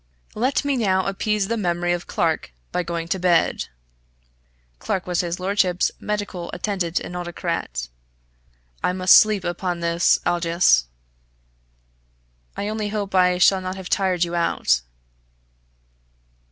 "Let me now appease the memory of Clarke by going to bed!" (Clarke was his lordship's medical attendant and autocrat.) "I must sleep upon this, Aldous." "I only hope I shall not have tired you out."